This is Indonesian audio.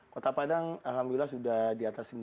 kota padang alhamdulillah sudah diambil